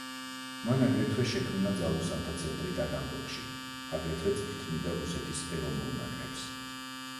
მან აგრეთვე შექმნა ძალოსანთა ცენტრი ტაგანროგში; აგრეთვე წვრთნიდა რუსეთის ეროვნულ ნაკრებს.